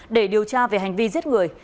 để điều tra về hành vi giết người